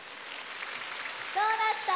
どうだった？